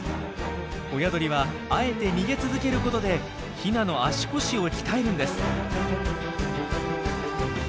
親鳥はあえて逃げ続けることでヒナの足腰を鍛えるんです。